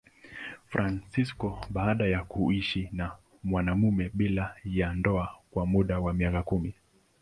Fransisko baada ya kuishi na mwanamume bila ya ndoa kwa muda wa miaka kumi.